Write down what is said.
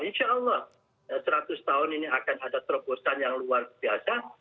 insya allah seratus tahun ini akan ada terobosan yang luar biasa